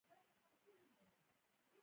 ایا ستاسو درې به ښکلې نه وي؟